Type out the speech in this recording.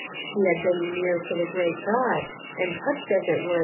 She had been near to the great God, and touched as it were A DAILY EATE.'